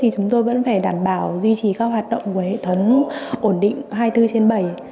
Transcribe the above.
chúng tôi vẫn phải đảm bảo duy trì các hoạt động của hệ thống ổn định hai mươi bốn trên bảy